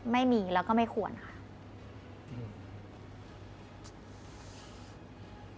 ไม่มีแล้วก็ไม่ควรค่ะ